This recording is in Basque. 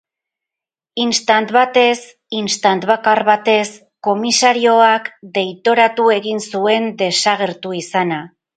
Istant batez, istant bakar batez, komisarioak deitoratu egin zuen desagertu izana.